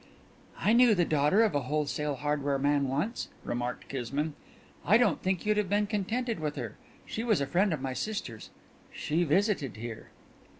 "I knew the daughter of a wholesale hardware man once," remarked Kismine. "I don't think you'd have been contented with her. She was a friend of my sister's. She visited here."